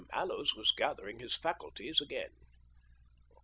Mallows was gathering his faculties again.